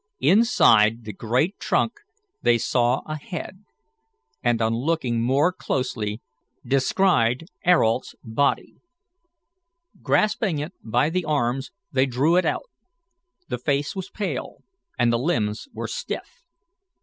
Inside the great trunk they saw a head, and, on looking more closely, descried Ayrault's body. Grasping it by the arms, they drew it out. The face was pale and the limbs were stiff.